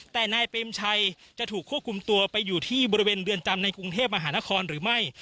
แล้วแต่นายเป็มชัยจะยังขับควบคลุมตัวอยู่ที่บริเวณเรือนจำในกรุงเทพมหานครรภ์หรือไม่